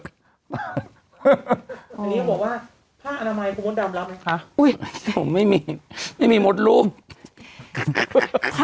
อันนี้ก็บอกว่าผ้าอนามัยกุมดำรับไหมอุ้ยโอ้ยไม่มีไม่มีหมดรูป